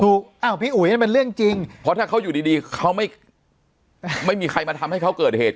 อ้าวพี่อุ๋ยมันเรื่องจริงเพราะถ้าเขาอยู่ดีเขาไม่มีใครมาทำให้เขาเกิดเหตุ